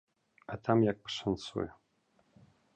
А там як пашанцуе.